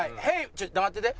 ちょっと黙ってて。